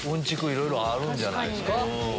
いろいろあるんじゃないですか。